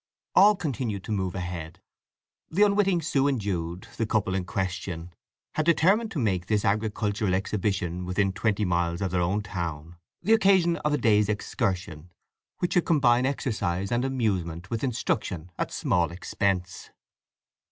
All continued to move ahead. The unwitting Sue and Jude, the couple in question, had determined to make this agricultural exhibition within twenty miles of their own town the occasion of a day's excursion which should combine exercise and amusement with instruction, at small expense.